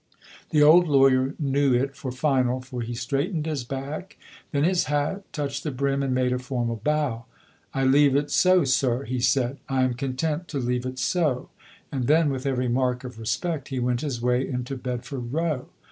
The old lawyer knew it for final, for he straightened his back, then his hat, touched the brim and made a formal bow. "I leave it so, sir," he said; "I am content to leave it so;" and then, with every mark of respect, he went his way into Bedford Row.